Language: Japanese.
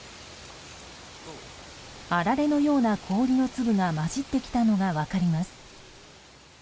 あられのような氷の粒が交じってきたのが分かります。